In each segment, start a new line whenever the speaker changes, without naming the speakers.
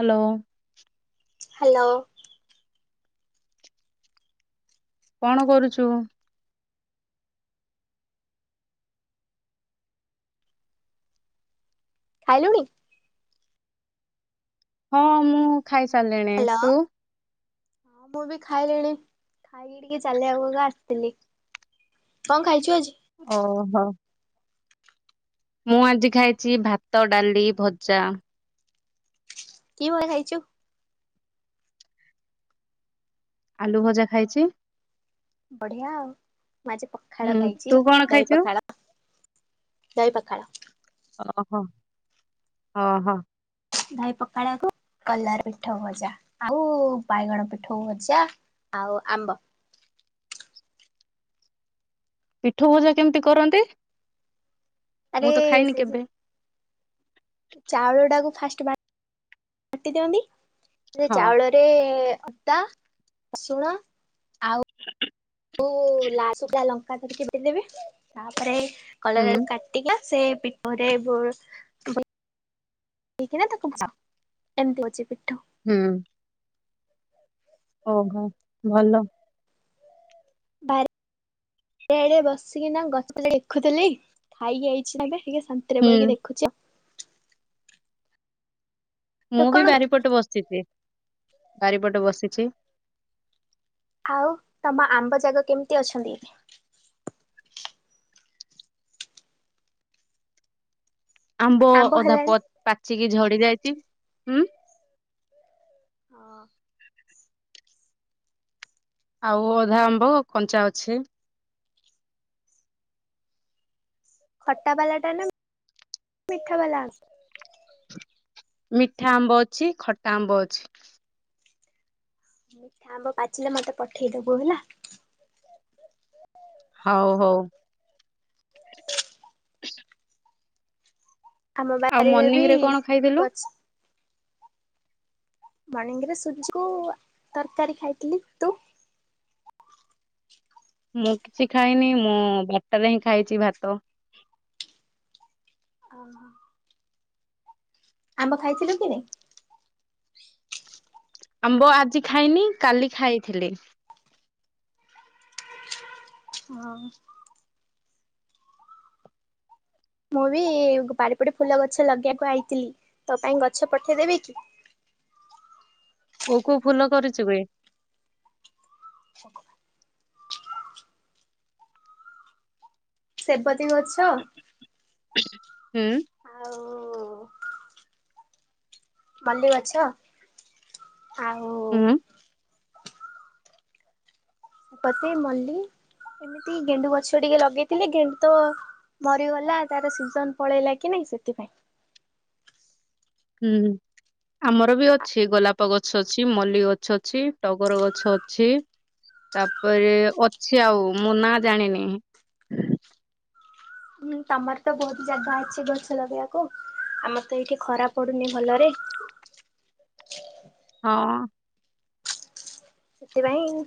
Hello.
Hello.
କଣ କରୁଛୁ?
ଖାଇଲୁଣି?
ହଁ ମୁଁ ଖାଇ ସାରିଲିଣି, ତୁ?
ହଁ ମୁଁ ବି ଖାଇଲିଣି, ଖାଇକି ଟିକେ ଚାଲିବାକୁକା ଆସିଥିଲି। କଣ ଖାଇଛୁ ଆଜି?
ଓହୋ। ମୁଁ ଆଜି ଖାଇଛି ଭାତ ଡାଲି ଭଜା।
କି [unintelligible] ଛୁ‌?
ଆଳୁ ଭଜା ଖାଇଛି।
ବଢିଆ ଆଉ ମୁଁ ଆଜି ପଖାଳ
ହୁଁ
ଖାଇଛି
ତୁ କଣ
ଦହି
ଖାଇଛୁ?
ପଖାଳ। ଦହି ପଖାଳ।
ଓହୋ ଓହୋ।
ଧାଇ ପଖାଳକୁ କଲାର ପିଠୋଉ ଭଜା ଆଉ ବାଇଗଣ ପିଠୋଉ ଭଜା। ଆଉ ଆମ୍ବ।
ପିଠୋଉ ଭଜା କେମିତି କରନ୍ତି? ମୁଁ
ଆରେ
ତ ଖାଇନି
ସେ
କେବେ।
ଚାଉଳ ଟାକୁ ଫାଷ୍ଟଟି ବାଟି ଦିଅନ୍ତି [unintelligible]
ହଁ
ଚାଉଳ ଗୋଟେ ଅଦା ରସୁଣ
[inaudible]
ଲା [unintelligible] ଲଙ୍କା ଧରିକି ଦେବେ ତାପରେ କଲରା
ହୁଁ
କା [unintelligible] ସେ ପି [unintelligible] [unintelligible] ଏମିତି ହୋଇଛି ପିଠୋଉ।
ହୁଁ। ଓହୋ ଭଲ।
ବାର ଏଡେ ବସିକି ନା ଗଛ ଦେଖୁଥିଲି ଖାଇକି ଆଇଛି ଏବେ ଟିକେ ଶାନ୍ତିରେ
ହୁଁ
ବହିକି ଦେଖୁଛି ଆଉ।
ମୁଁ
ତୁ
ବି
କଣ
ବାରିପଟେ ବସିଛି ବାରିପଟେ ବସିଛି।
ଆଉ ତମ ଆମ୍ବ ଯାଗ କେମିତି ଅଛନ୍ତି ଏଠି?
ଆମ୍ବ ଅଧା ପ ପାଚିକି ଝଡି ଯାଇଛି, ହୁଁ।
ହଁ।
ଆଉ ଅଧା ଆମ୍ବ କଞ୍ଚା ଅଛି।
ଖଟା ବାଲା ଟା ନା ମିଠା ବାଲା ଆସ
ମିଠା ଆମ୍ବ ଅଛି, ଖଟା ଆମ୍ବ ଅଛି।
ମିଠା ଆମ୍ବ ପାଚିଲେ ମତେ ପଠେଇଦବୁ ହେଲା।
ହଁ ହୋଉ। [unintelligible]
ଆମ
ଆଉ
ବାରିରେ ବି
ମର୍ଣ୍ଣିଂ ରେ କଣ ଖାଇଥିଲୁ?
ଠିକ ଅଛି। ମର୍ଣ୍ଣିଙ୍ଗରେ ସୁଜିକୁ ତରକାରୀ ଖାଇଥିଲି, ତୁ?
ମୁଁ କିଛି ଖାଇନି ମୁଁ ବାଟରେ ହିଁ ଖାଇଛି ଭାତ।
[unintelligible] ଆମ୍ବ ଖାଇଥିଲୁ କି ନାଇ?
ଆମ୍ବ ଆଜି ଖାଇନି କାଲି ଖାଇଥିଲି।
ହଁ। ମୁଁ ବି ବାଡ଼ି ପଟେ ଫୁଲ ଗଛ ଲଗେଇବାକୁ ଆଇଥିଲି ତୋ ପାଇଁ ଗଛ ପଠେଇଦେବି କି?
କୋଉ କୋଉ ଫୁଲ କରିଥିବେ?
ସୁ। ସେବତୀ ଗଛ।
ହୁଁ।
ଆଉ। ମଲ୍ଲି ଗଛ ଆଉ।
ହୁଁ
ବତି ମଲ୍ଲୀ ଏମିତି ଗେଣ୍ଡୁ ଗଛ ଟିକେ ଲଗେଇଥିଲି ଗେଣ୍ଡୁ ତ। ମରିଗଲା ତାର ସିଜନ ପଳେଇଲା କି ନାଇଁ ସେଥିପାଇଁ।
ହୁଁ ଆମର ବି ଅଛି ଗୋଲାପ ଗ ଛ ଅଛି ମଲ୍ଲି ଗଛ ଅଛି ଟଗର ଗଛ ଅଛି। ତାପରେ ଅଛି ଆଉ ମୁଁ ନା ଜାଣିନି।
ହୁଁ ତମର ତ ବହୁତ ଜାଗା ଅଛି ଗଛ ଲଗେଇବାକୁ ଆମର ତ ଏଇଠି ଖରା ପଡୁନି ଭଲରେ।
ହଁ।
ସେଥିପାଇଁ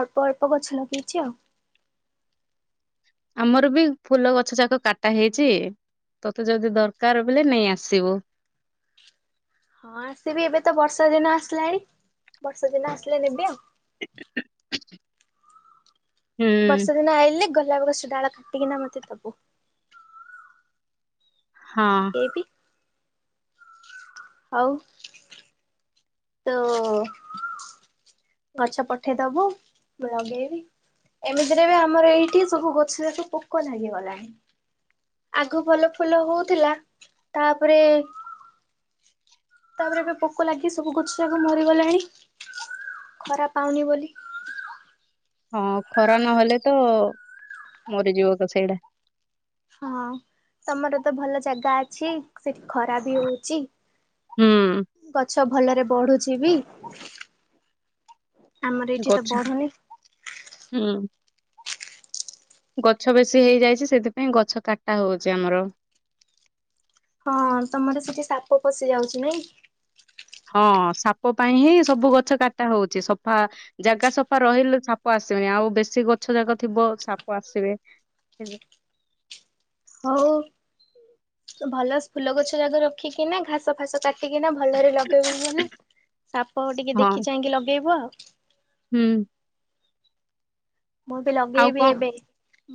ଅଳ୍ପ ଅଳ୍ପ ଗଛ ଲଗେଇଛି ଆଉ।
ଆମର ବି ଫୁଲ ଗଛ ଯାକ କାଟା ହେଇଛି। ତତେ ଯଦି ଦରକାର ବେଲେ ନେଇ ଆସିବୁ।
ହଁ ଆସିବି ଏବେ ତ ବର୍ଷା ଦିନ ଆସିଲାଣି ବର୍ଷା ଦିନ ଆସିଲେ ନେବି ଆଉ।
ହୁଁ।
ବର୍ଷା ଦିନ ଆଇଲେ ଗୋଲାପ ଗଛ ଡାଳ କାଟିକିନା ମତେ ଦବୁ।
ହଁ।
ଲଗେଇବି। ଆଉ। ତ ଗଛ ପଠେଇଦବୁ ମୁଁ ଲଗେଇବି। ଏମିତିରେ ବି ଆମର ଏଇଠି ସବୁ ଗଛ ଯାକ ପୋକ ଲାଗିଗଲାଣି। ଆଗୁ ଭଲ ଫୁଲ ହଉଥିଲା ତାପରେ। ତାପରେ ଏବେ ପୋକ ଲାଗି ସବୁ ଗଛ ଯାକ ମରିଗଲାଣି। ଖରା ପାଉନି ବୋଲି।
ହଁ ଖରା ନହେଲେ ତ ମରିଯିବ ଅ ସେଇଟା।
ହଁ ତମର ତ ଭଲ ଜାଗା ଅଛି। ସେଠି ଖରା ବି ହଉଚି
ହୁଁ
ଗଛ ଭଲରେ ବଢୁଛି ବି। ଆମର ଏଇଠି ତ
ଗଛ
ବଢୁନି।
ହୁଁ। ଗଛ ବେଶୀ ହେଇଯାଇଛି ସେଥିପାଇଁ ଗଛ କାଟା ହଉଛି ଆମର।
ହଁ ତମର ସେଠି ସାପ ପଶି ଯାଉଛି ନାଇଁ।
ହଁ ସାପ ପାଇଁ ହିଁ ସବୁ ଗଛ କାଟା ହଉଛି ସଫା। ଜାଗା ସଫା ରହିଲେ ସାପ ଆସିବେନି ଆଉ ବେଶୀ ଗଛ ଜାକ ଥିବ ସାପ ଆସିବେ। [unintelligible]
ହଉ। ଭଲ ଫୁଲ ଗଛ ଯାକ ରଖିକିନା ଘାସ ଫାସ କାଟିକିନା ଭଲରେ ଲଗେଇବନି। ସାପ ଟିକେ ଦେଖି
ହଁ
ଚାହିଁକି ଲଗେଇବ।
ହୁଁ।
ମୁଁ ବି
ଆଉ
ଲଗେଇବି
କଣ
ଏବେ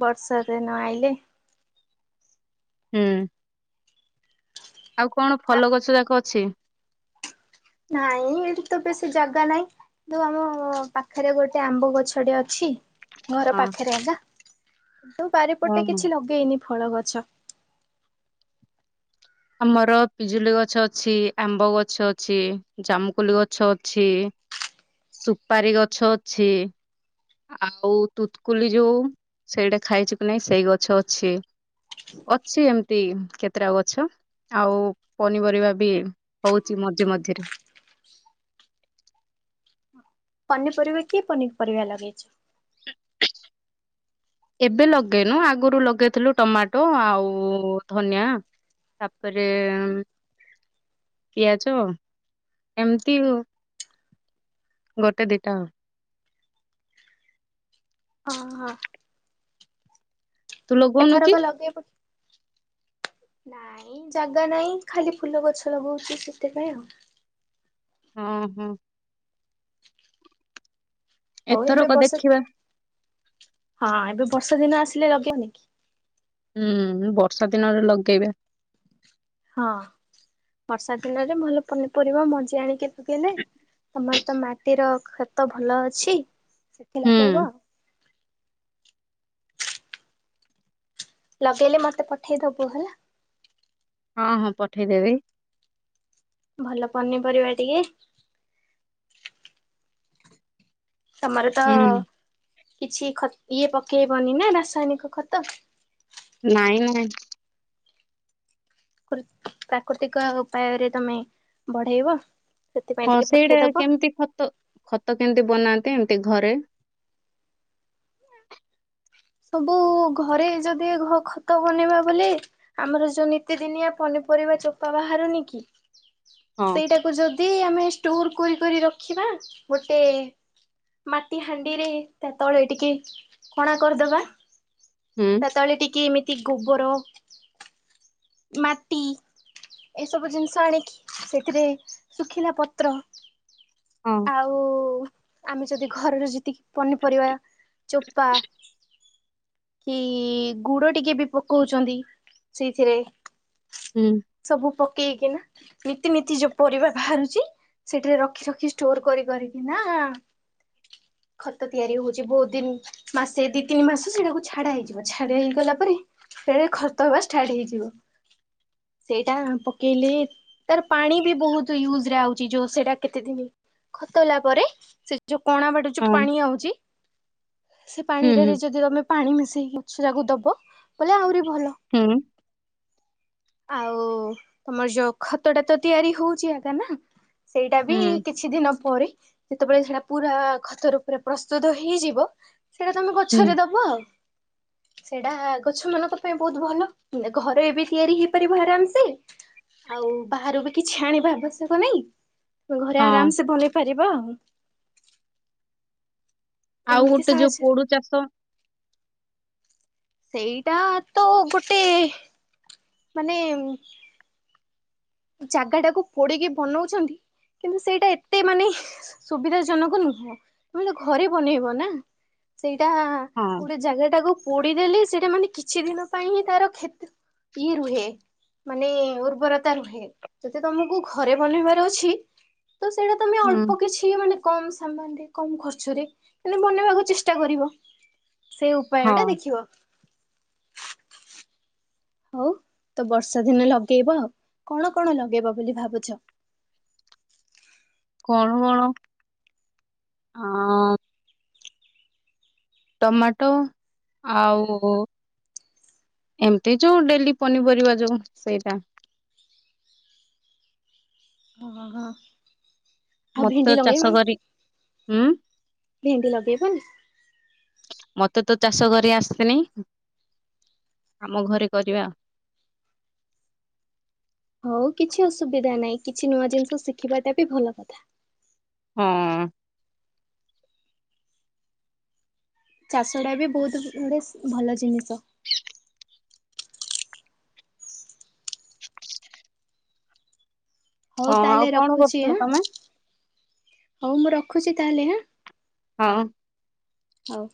ବର୍ଷା ଦିନ ଆଇଲେ।
ହୁଁ। ଆଉ କଣ ଫଲ ଗଛ ଯାକ ଅଛି?
ନାଇଁ ଏଇଠି ତ ବେଶୀ ଜାଗା ନାଇଁ। ତ ଆମ ପାଖରେ ଗୋଟେ ଆମ୍ବ ଗଛ ଟେ ଅଛି। ଘର
ହଁ
ପାଖରେ ଯା ତ ବାରିପଟେ
ହଁ
କିଛି ଲଗେଇନି ଫଳ ଗଛ।
ଆମର ପିଜୁଲିଗଛ ଅଛି ଆମ୍ବଗଛ ଅଛି ଜାମୁକୋଲି ଗଛ ଅଛି ସୁପାରି ଗଛ ଅଛି ଆଉ ତୁତକୋଲି ଯୋଉ ସେଇଟା ଖାଇଛୁ କି ନାଇଁ ସେଇ ଗଛ ଅଛି ଅଛି ଏମତି କେତେଟା ଗଛ। ଆଉ ପନିପରିବା ବି ହଉଛି ମଝି ମଝିରେ
ପନିପରିବା କି ପନି ପରିବା ଲଗେଇଛ
ଏବେ ଲଗେଇନୁ ଆଗରୁ ଲଗେଇଥିଲୁ ଟମାଟୋ ଆଉ ଧନିଆଁ। ତା'ପରେ ପିଆଜ ଏମିତି ଆଉ ଗୋଟେ ଦିଟା
ଅଁ ହଁ
ତୁ ଲଗଉନୁ କି?
ଏଥରକ ଲଗେଇବ? ନାଇଁ ଜାଗା ନାାଇଁ ଖାଲି ଫୁଲ ଗଛ ଲଗଉଚି ସେଥିପାଇଁ ଆଉ
ହଁ ହଁ
ହଉ ଏବେ
ଏଥରକ
ବର୍ଷା,
ଦେଖିବା
ହଁ ଏବେ ବର୍ଷା ଦିନ ଆସିଲେ ଲଗେଇ ମି କି?
ହୁଁ ବର୍ଷା ଦିନରେ ଲଗେଇବେ
ହଁ ବର୍ଷା ଦିନରେ ଭଲ ପନିପରିବା ମଞ୍ଜି ଆଣିକି କିଲେ ଦେବି ତମର ତ ମାଟିର ଖତ ଭଲ ଅଛି ସେଠି
ହୁଁ
ଲଗେଇବ। ଲଗେଇଲେ ମତେ ପଠେଇଦବୁ ହେଲା।
ହଁ ହଁ ପଠେଇଦେବି
ଭଲ ପନିପରିବା ଟିକେ ତମର ତ
ହୁଁ
କିଛି ଖ ଇଏ ପକେଇବନି ନା ରାସାୟନିକ ଖତ।
ନାଇଁ ନାଇଁ
ପ୍ରାକୃତିକ ଉପାୟରେ ତମେ ବଢେଇବ ସେଥିପାଇଁ
ହଁ
ଟିକେ
ସେଇଟା
ପଠେଇଦବ
କେମିତି ଖତ, ଖତ କେମିତି ବନାନ୍ତି ଏମିତି ଘରେ?
ସବୁ ଘରେ ଯଦି ଘ ଖତ ବନେଇବା ବୋଲି। ଆମର ଯୋଉ ନିତିଦିନିଆ ପନିପରିବା ଚୋପା ବାହାରୁନି କି
ହଁ
ସେଇଟାକୁ ଯଦି ଯଦି ଆମେ ଷ୍ଟୋର କରି କରି ରଖିବା ଗୋଟେ ମାଟି ହାଣ୍ଡିରେ ତା ତଳେ ଟିକେ କଣା କରିଦବା
ହୁଁ
ତା ତଳେ ଟିକେ ଏମିତି ଗୋବର ମାଟି ଏସବୁ ଜିନିଷ ଆଣିକି ସେଥିରେ ଶୁଖିଲା ପତ୍ର
ହଁ
ଆଉ ଆମେ ଯଦି ଘରର ଯେିତିକି ପନିପରିବା ଚୋପା କି ଗୁଡ ଟିକେ ବି ପକଉଚନ୍ତି ସେଇଥିରେ
ହୁଁ
ସବୁ ପକେଇକି ନାଁ ନୀତିନୀତି ଯୋଉ ପରିବା ଭାରୁଚି ସେଠିରେ ରଖି ରଖି ଷ୍ଟୋର କରି କରିକି ନାଁ ଖତ ତିଆରି ହଉଛି। ବହୁତ ଦିନ ମାସେ ଦି ତିନି ମାସ ସେଇଟାକୁ ଛାଡା ହେଇଯିବ। ଛାଡା ହେଇଗଲା ପରେ ସେ ଖତ ହବା ଷ୍ଟାର୍ଟ ହେଇଯିବ। ସେଇଟା ପକେଇଲେ ତାର ପାଣି ବି ବହୁତ ୟୁଜ ରେ ଆଉଚି ଯୋଉ ସେଟା କେତେ ଦିନ ଖତ ହେଲା ପରେ ସେ ଯୋଉ କଣା ବାଟ ଯୋଉ
ହଁ
ପାଣି ଆଉଚି ସେ
ହୁଁ
ପାଣିରେ ରେ
ହୁଁ
ଯଦି ତମେ। ପାଣି ମିଶେଇିକି ଗଛ ଯାକୁ ଦବ ବୋଲେ ଆହୁରି ଭଲ।
ହୁଁ
ଆଉ ତମର ଯୋଉ ଖତ ଟା ତ ତିଆରି ହଉଚି ଏବେ ନା? ସେଇଟା ବି
ହୁଁ
କିଛି ଦିନ ପରେ ଯେତେବେଳେ ସେଟା ପୁରା ଖତ ରୂପରେ ପ୍ରସ୍ତୁତ ହେଇଯିବ। ସେଇଟା ତମେ
ହୁଁ
ଗଛରେ ଦବ ଆଉ। ସେଇଟା ଗଛ ମାନଙ୍କ ପାଇଁ ବହୁତ ଭଲ ଘରେ ବି ତିଆରି ହେଇପାରିବ ଆରାମୂ ସେ। ଆଉ ବାହାରୁ ବି କିଛି ଆଣିବା ଆବଶ୍ୟକ ନାହିଁ। ଘରେ
ହଁ
ଆରାମ ସେ ବନେଇ ପାରିବା ଆଉ।
ଆଉ
ଏମିତି
ଗୋଟେ ଯୋଉ
ସାହାଯ୍ୟରେ
ପୋଡୁ ଚାଷ।
ସେଇଟା ତ ଗୋଟେ ମାନେ ଜାଗା ଟାକୁ ପୋଡିକି ବନଉଛନ୍ତି। କିନ୍ତୁ ସେଇଟା ଏତେ ମାନେ ସୁବିଧା ଜନକ ନୁହଁ। ତମେ ତ ଘରେ ବନେଇବ ନା ସେଇଟା
ହଁ
ଗୋଟେ ଜାଗା ଟାକୁ ପୋଡ଼ିଦେଲେ ସେଇଟା ମାନେ କିଛି ଦିନ ପାଇଁ ହିଁ ତାର କ୍ଷତ୍ ଇଏ ରୁହେ ମାନେ ଉର୍ବରତା ରୁହେ। ଯଦି ତମୁକୁ ଘରେ ବନେଇବାର ଅଛି ତ ସେଇଟା ତମେ
ହୁଁ
ଅଳ୍ପ କିଛି ମାନେ କମ ସାମାନ ରେ କମ ଖର୍ଚରେ ମାନେ ବନେଇବାକୁ ଚେଷ୍ଟା କରିବ। ସେ
ହଁ
ଉପାୟଟା ଦେଖିବ। ହଉ ତ ବର୍ଷା ଦିନେ ଲଗେଇବ କଣ କଣ ଲଗେଇବ ବୋଲି ଭାବୁଚ?
କଣ ଆଁ ଟମାଟୋ ଆଉ ଏମିତି ଯୋଉ ଡେଲି ପନିପରିବା ଯୋଉ ସେଇଟା।
ହଁ ହଁ ହଁ। ଆଉ
ମତେ
ଭେଣ୍ଡି
ତ
ଲଗେଇବି
ଚାଷ କରି ହୁଁ
ଭେଣ୍ଡି ଲଗେଇବନି?
ମତେ ତ ଚାଷ କରି ଆସିନି। ଆମ ଘରେ କରିବା।
ହଉ କିଛି ଅସୁବିଧା ନାହିଁ କିଛି ନୂଆ ଜିନିଷ ଶିଖିବାଟା ବି ଭଲ କଥା।
ହଁ
ଚାଷଟା ବି ବହୁତ ବେସ୍ ଭଲ ଜିନିଷ। ହଉ
ହଁ
ତାହେଲେ
ଆଉ କଣ
ରଖୁଚି
କରୁଥିଲ
ହାଁ
ତମେ
ହଉ ମୁଁ ରଖୁଚି ତାହେଲେ ହାଁ।
ହଁ।
ହଉ।